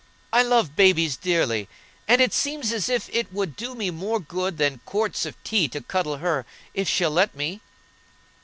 I love babies dearly, and it seems as if it would do me more good than quarts of tea to cuddle her, if she'll let me."